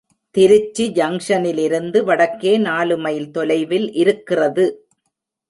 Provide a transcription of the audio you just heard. திருச்சி ஜங்ஷனிலிருந்து வடக்கே நாலுமைல் தொலைவில் இருக்கிறது.